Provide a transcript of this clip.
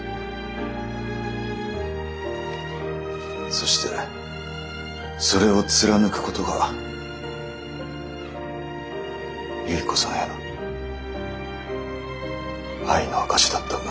そしてそれを貫くことが有依子さんへの愛の証しだったんだ。